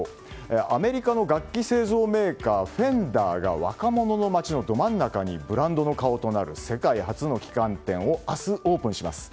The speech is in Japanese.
アメリカの楽器製造メーカーフェンダーが若者の街のど真ん中にブランドの顔となる世界初の旗艦店を明日、オープンします。